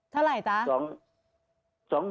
เท่าไหร่จ๊ะ